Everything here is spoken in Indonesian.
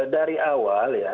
dari awal ya